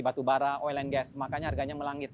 batu bara oil and gas makanya harganya melangit